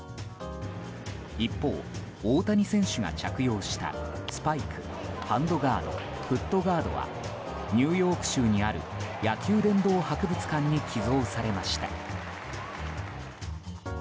一方、大谷選手が着用したスパイク、ハンドガードフットガードはニューヨーク州にある野球殿堂博物館に寄贈されました。